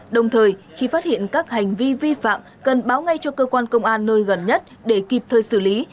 đồng thời khi phát hiện các hành vi vi phạm cần báo ngay cho cơ quan công an nơi gần nhất để kịp thời xử lý